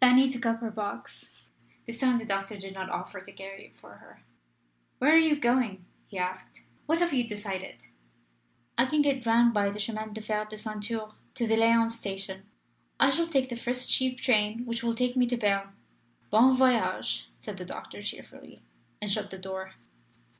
Fanny took up her box this time the doctor did not offer to carry it for her. "Where are you going?" he asked. "What have you decided?" "I can get round by the Chemin de Fer de Ceinture to the Lyons station. I shall take the first cheap train which will take me to Berne." "Bon voyage!" said the doctor, cheerfully, and shut the door.